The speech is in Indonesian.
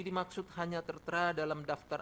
dimaksud hanya tertera dalam daftar